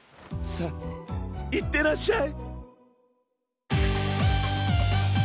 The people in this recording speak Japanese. さあいってらっしゃい。